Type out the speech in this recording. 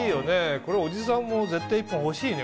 これおじさんも絶対１本欲しいね。